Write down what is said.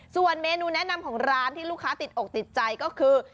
ส่วนเมนูแนะนำของร้านที่ลูกค้าติดอกติดใจก็คือ